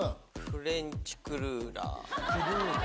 フレンチクルーラー。